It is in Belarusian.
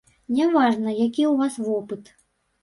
Не важна, які ў вас вопыт.